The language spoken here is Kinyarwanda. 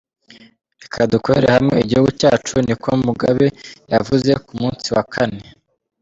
Reka dukorere hamwe igihugu cacu," niko Mugabe yavuze ku munsi wa kane.